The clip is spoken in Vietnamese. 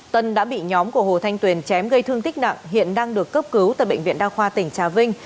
tân đã bị nhóm của hồ thanh tuyền chém gây thương tích nặng hiện đang được cấp cứu tại bệnh viện đa khoa tỉnh trà vinh